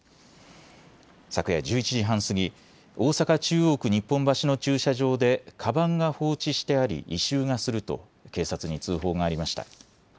昨夜１１時半過ぎ、大阪中央区日本橋の駐車場でかばんが放置してあり異臭がすると警察に通報がありました。